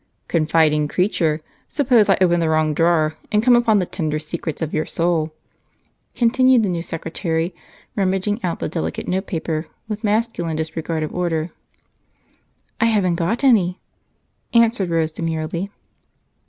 "Confiding creature! Suppose I open the wrong drawer and come upon the tender secrets of your soul?" continued the new secretary, rummaging out the delicate notepaper with masculine disregard of order. "I haven't got any," answered Rose demurely.